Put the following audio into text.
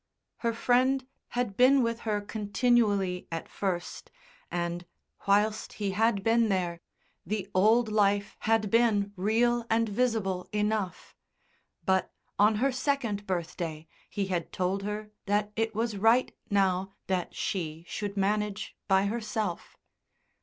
Her friend had been with her continually at first, and, whilst he had been there, the old life had been real and visible enough; but on her second birthday he had told her that it was right now that she should manage by herself.